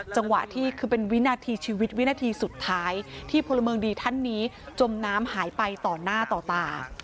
จังหวะที่คือเป็นวินาทีชีวิตวินาทีสุดท้ายที่พลเมืองดีท่านนี้จมน้ำหายไปต่อหน้าต่อตา